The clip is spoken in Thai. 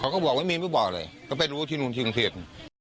เขาก็บอกว่ามีไม่บอกอะไรก็ไปดูที่นู่นที่อย่างเทศ